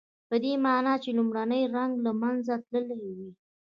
پدې معنی چې لومړنی رنګ له منځه تللی وي.